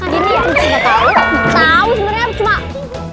gini abis itu gak tau